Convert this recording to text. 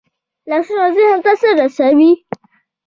لاسونه ذهن ته څه رسوي